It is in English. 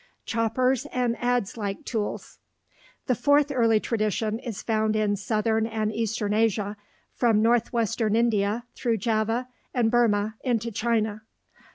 CHOPPERS AND ADZE LIKE TOOLS The fourth early tradition is found in southern and eastern Asia, from northwestern India through Java and Burma into China.